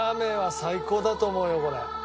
「最高だと思うよこれ」